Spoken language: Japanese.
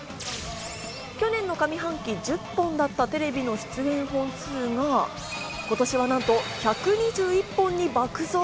去年の上半期１０本だったテレビの出演本数が今年はなんと１２１本に爆増。